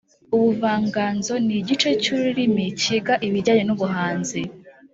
ubuvanganzo: ni igice cy’ururimi kiga ibijyanye n’ubuhanzi